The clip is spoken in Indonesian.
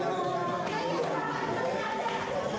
tidak ada masalah